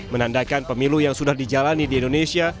menandakan pemilu yang sudah dijalani di indonesia